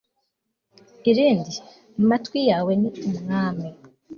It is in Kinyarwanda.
irindi matwi yawe ni umwami